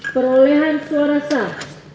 perolehan suara sah